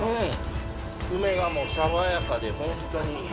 梅がもう爽やかで本当にいい。